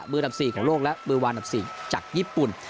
มือดับสี่ของโลกและมือวาดดับสี่จากญี่ปุ่น